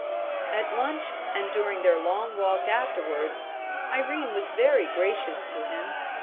At lunch and during their long walk afterwards, Irene was very gracious to him.